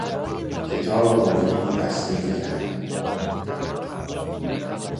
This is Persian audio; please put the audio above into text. کتاب مفیدی تصنیف کرد.